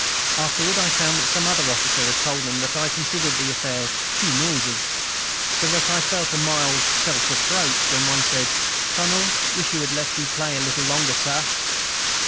Afterward I found that some other officer had told them that I considered the affair too noisy, so that I felt a mild self reproach when one said, "Cunnel, wish you had let we play a little longer, Sah."